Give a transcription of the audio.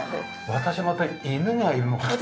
私また犬がいるのかと。